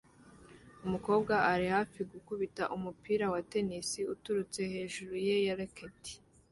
Umukobwa ari hafi gukubita umupira wa tennis uturutse hejuru ye na racket